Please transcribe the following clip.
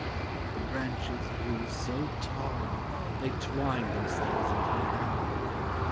The branches grew so tall They twined themselves into a bower.